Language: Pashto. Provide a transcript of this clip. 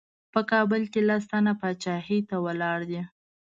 په کابل کې لس تنه پاچاهۍ ته ولاړ دي.